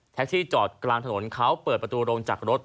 ที่จอดกลางถนนเขาเปิดประตูลงจากรถ